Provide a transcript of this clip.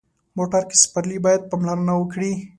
موټر کې سپرلي باید پاملرنه وکړي.